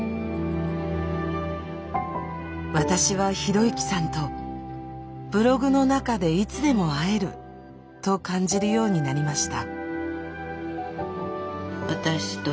私は啓之さんと「ブログの中でいつでも会える」と感じるようになりました。